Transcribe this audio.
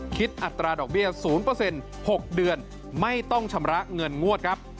อัตราดอกเบี้ย๐๖เดือนไม่ต้องชำระเงินงวดครับ